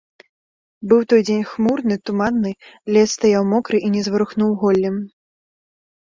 Быў той дзень хмурны, туманны, лес стаяў мокры і не зварухнуў голлем.